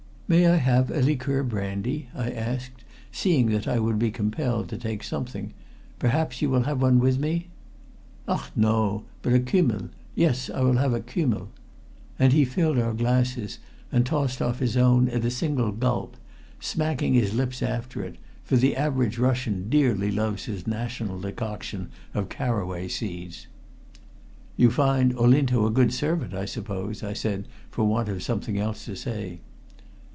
"May I have a liqueur brandy?" I asked, seeing that I would be compelled to take something. "Perhaps you will have one with me?" "Ach no! But a kümmel yes, I will have a kümmel!" And he filled our glasses, and tossed off his own at a single gulp, smacking his lips after it, for the average Russian dearly loves his national decoction of caraway seeds. "You find Olinto a good servant, I suppose?" I said, for want of something else to say.